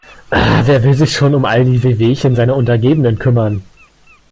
Wer will sich schon um all die Wehwehchen seiner Untergebenen kümmern?